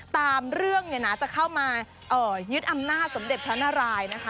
ตามเรื่องเนี่ยนะจะเข้ามายึดอำนาจสมเด็จพระนารายนะคะ